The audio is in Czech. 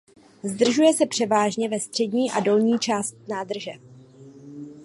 Zdržuje se převážně ve střední a dolní část nádrže.